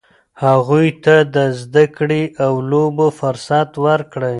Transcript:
هغوی ته د زده کړې او لوبو فرصت ورکړئ.